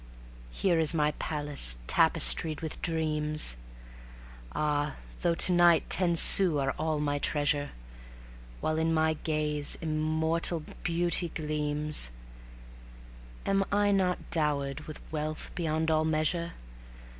Here is my Palace tapestried with dreams. Ah! though to night ten sous are all my treasure, While in my gaze immortal beauty gleams, Am I not dowered with wealth beyond all measure?